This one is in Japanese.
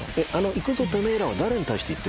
「いくぞテメェら」は誰に対して言ってる言葉？